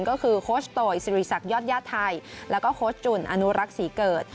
ก็คือโค้ชโตยสิริษักยอดญาติไทยแล้วก็โค้ชจุ่นอนุรักษ์ศรีเกิด